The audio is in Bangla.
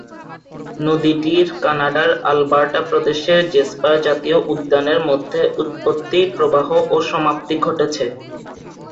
নদীটির কানাডার আলবার্টা প্রদেশের জেসপার জাতীয় উদ্যানের মধ্যে উৎপত্তি, প্রবাহ ও সমাপ্তি ঘটেছে।